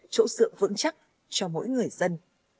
chỗ sự vững chắc cho mỗi người dân